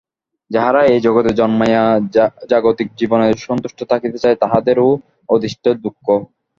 যাহারা এই জগতে জন্মাইয়া জাগতিক জীবনেই সন্তুষ্ট থাকিতে চায়, তাহাদেরও অদৃষ্টে দুঃখ।